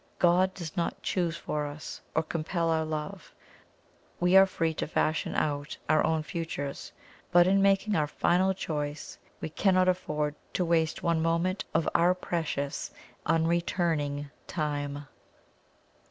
God does not choose for us, or compel our love we are free to fashion out our own futures; but in making our final choice we cannot afford to waste one moment of our precious, unreturning time.